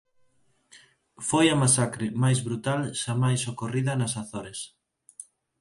Foi a masacre máis brutal xamais ocorrida nas Azores.